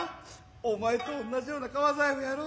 お前とおんなじような革財布やろ。